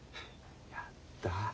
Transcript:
やった。